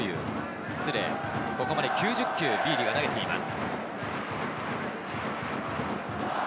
失礼、ここまで９０球、ビーディが投げています。